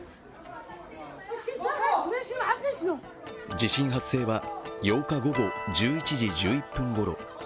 地震発生は８日午後１１時１１分ごろ。